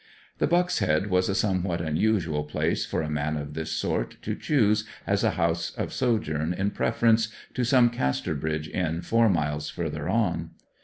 The Buck's Head was a somewhat unusual place for a man of this sort to choose as a house of sojourn in preference to some Casterbridge inn four miles further on.